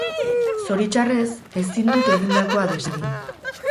Zoritxarrez, ezin dut egindakoa desegin.